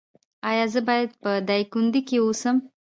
ایا زه باید په دایکندی کې اوسم؟